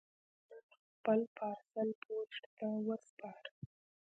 ما نن خپل پارسل پوسټ ته وسپاره.